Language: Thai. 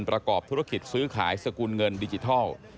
ประกอบธุรกิจซื้อขายสกุลเงินดิจิทัล